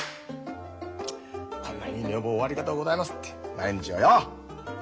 「こんないい女房をおありがとうございます」って毎日よ。